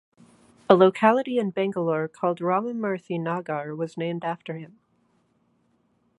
A locality in Bangalore called Ramamurthy Nagar was named after him.